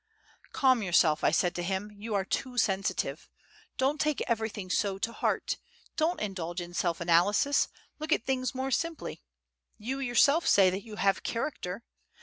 "Calm yourself," I said to him. "You are too sensitive; don't take everything so to heart; don't indulge in self analysis, look at things more simply. You yourself say that you have character.